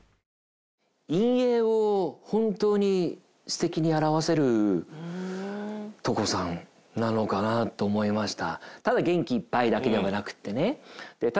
陰影を本当に素敵に表せるトコさんなのかなと思いました。